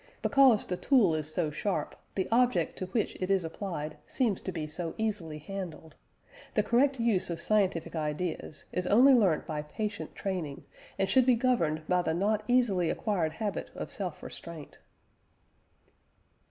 Because the tool is so sharp, the object to which it is applied seems to be so easily handled. The correct use of scientific ideas is only learnt by patient training, and should be governed by the not easily acquired habit of self restraint."